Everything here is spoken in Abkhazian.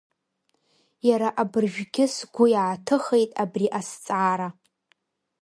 Иара абыржәгьы сгәы иааҭыхеит абри азҵаара…